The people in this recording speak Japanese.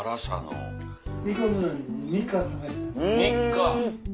３日！